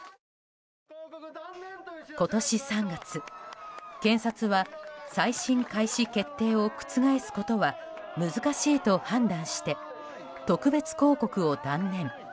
今年３月、検察は再審開始決定を覆すことは難しいと判断して特別抗告を断念。